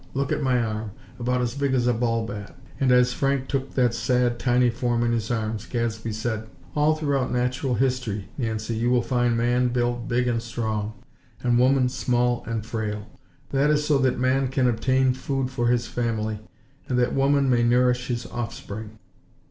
Look at my arm! About as big as a ball bat!" and as Frank took that sad, tiny form in his arms, Gadsby said: "All throughout Natural History, Nancy, you will find man built big and strong, and woman small and frail. That is so that man can obtain food for his family, and that woman may nourish his offspring.